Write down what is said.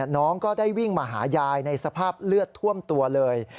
น้องก็ได้วิ่งมาหายายในสภาพเลือดท่วมตัวเลย